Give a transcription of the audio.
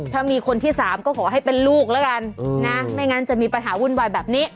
ถ้ามีคนที่สามก็ขอให้เป็นลูกแล้วกันนะไม่งั้นจะมีปัญหาวุ่นวายแบบนี้